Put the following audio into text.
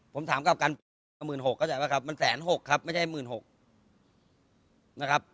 ผมถามกับกันหมื่นหกเข้าใจปะครับมันแสนหกครับไม่ใช่หมื่นหกนะครับ